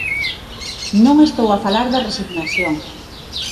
Non estou a falar de resignación.